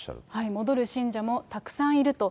戻る信者もたくさんいると。